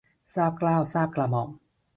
ทราบเกล้าทราบกระหม่อม